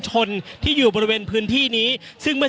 อย่างที่บอกไปว่าเรายังยึดในเรื่องของข้อ